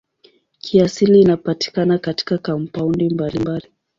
Kiasili inapatikana katika kampaundi mbalimbali.